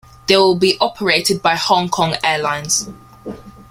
They will be operated by Hong Kong Airlines.